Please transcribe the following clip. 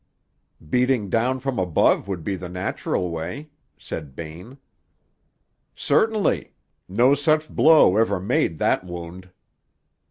"Beating down from above would be the natural way," said Bain. "Certainly. No such blow ever made that wound."